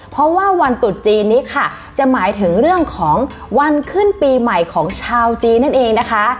เพราะว่าวันตุดจีนนี้ค่ะจะหมายถึงเรื่องของวันขึ้นปีใหม่ของชาวจีนนั่นเองนะคะ